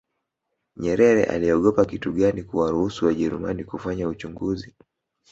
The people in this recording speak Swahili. nyerere aliogopa kitu gani kuwaruhusu wajerumani kufanya uchunguzi